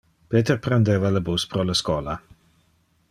Peter prendeva le bus pro le schola.